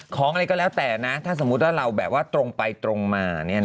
อะไรก็แล้วแต่นะถ้าสมมุติว่าเราแบบว่าตรงไปตรงมา